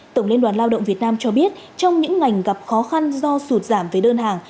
tổng liên đoàn lao động việt nam cho biết trong những ngành gặp khó khăn do sụt giảm về đơn hàng